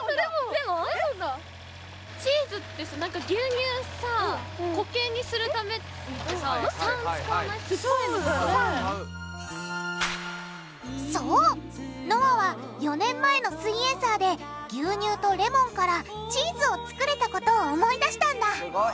チーズってさそうのあは４年前の「すイエんサー」で牛乳とレモンからチーズを作れたことを思い出したんだすごい。